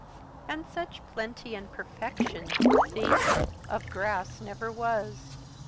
And such plenty and perfection, see, of grass 25 Never was!